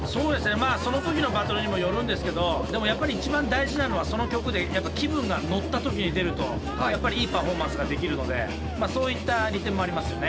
まあその時のバトルにもよるんですけどでもやっぱり一番大事なのはその曲でやっぱ気分が乗った時に出るとやっぱりいいパフォーマンスができるのでそういった利点もありますよね。